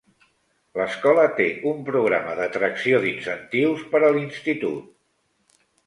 L'escola té un programa d'atracció d'incentius per a l'institut.